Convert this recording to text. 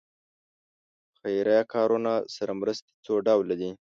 خیریه کارونو سره مرستې څو ډوله دي.